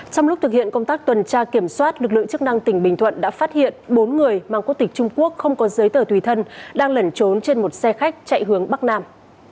trong lúc thực hiện công tác tuần tra kiểm soát lực lượng chức năng tỉnh bình thuận đã phát hiện bốn người mang quốc tịch trung quốc không có giấy tờ tùy thân đang lẩn trốn trên một xe khách chạy hướng bắc nam